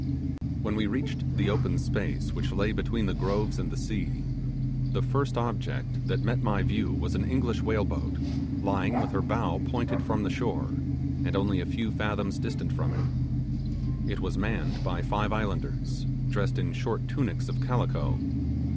When we reached the open space which lay between the groves and the sea, the first object that met my view was an English whale boat, lying with her bow pointed from the shore, and only a few fathoms distant from it. It was manned by five islanders, dressed in shirt tunics of calico.